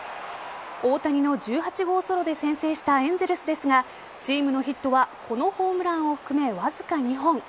大谷の１８号ソロで先制したエンゼルスですがチームのヒットはこのホームランを含めわずか２本。